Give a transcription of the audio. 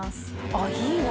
あっいいな。